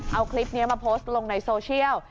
เอาคลิปนี้มาโพสต์ลงในโซเชียล